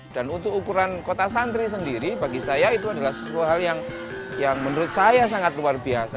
dan untuk ukuran kota santri sendiri bagi saya itu adalah sesuatu hal yang menurut saya sangat luar biasa